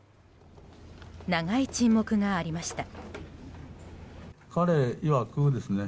長い沈黙がありました。